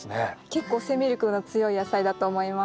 結構生命力の強い野菜だと思います。